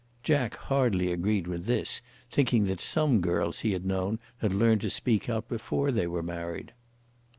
Jack hardly agreed with this, thinking that some girls he had known had learned to speak out before they were married.